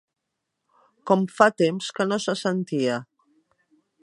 Com fa temps que no se sentia.